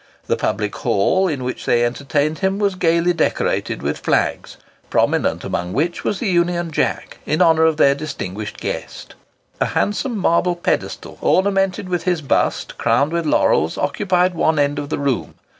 The Public Hall, in which they entertained him, was gaily decorated with flags, prominent amongst which was the Union Jack, in honour of their distinguished guest. A handsome marble pedestal, ornamented with his bust crowned with laurels, occupied one end of the room.